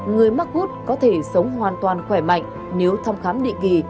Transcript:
người mắc gút có thể sống hoàn toàn khỏe mạnh nếu thăm khám định kỳ